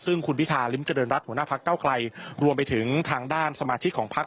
ซึ่งคุณพิธาริมเจริญรัฐหัวหน้าพักเก้าไกลรวมไปถึงทางด้านสมาชิกของพัก